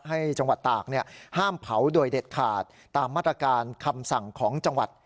จังหวัดตากห้ามเผาโดยเด็ดขาดตามมาตรการคำสั่งของจังหวัด